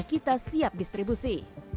pemerintah siap distribusi